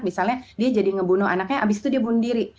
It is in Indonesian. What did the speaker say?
misalnya dia jadi ngebunuh anaknya abis itu dia bunuh diri